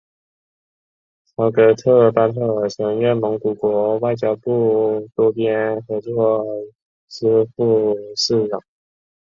朝格特巴特尔曾任蒙古国外交部多边合作司副司长。